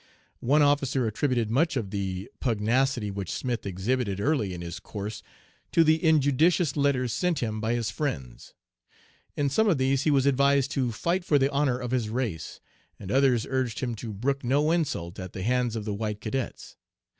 One officer attributed much of the pugnacity which Smith exhibited early in his course to the injudicious letters sent him by his friends. In some of these he was advised to 'fight for the honor of his race,' and others urged him to brook no insult at the hands of the white cadets.